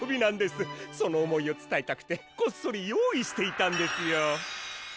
その思いを伝えたくてこっそり用意していたんですよ。